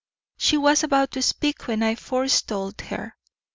She was about to speak when I forestalled her.